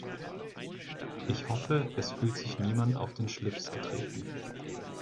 Ich hoffe, es fühlt sich niemand auf den Schlips getreten.